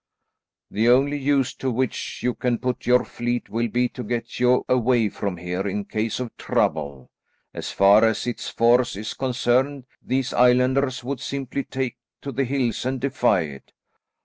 The only use to which you can put your fleet will be to get you away from here in case of trouble. As far as its force is concerned, these islanders would simply take to the hills and defy it."